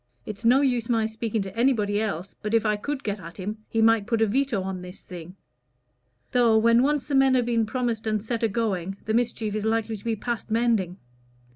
It's no use my speaking to anybody else, but if I could get at him, he might put a veto on this thing. Though, when once the men have been promised and set a going, the mischief is likely to be past mending.